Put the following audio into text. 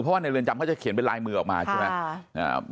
เพราะว่าในเรือนจำเขาจะเขียนเป็นลายมือออกมาใช่ไหม